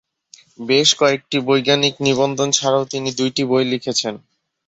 বেশ কয়েকটি বৈজ্ঞানিক নিবন্ধ ছাড়াও তিনি দুটি বই লিখেছেন।